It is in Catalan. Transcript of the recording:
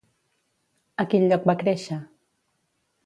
A quin lloc va créixer?